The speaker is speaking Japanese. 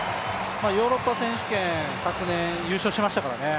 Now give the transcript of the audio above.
ヨーロッパ選手権、昨年優勝しましたからね。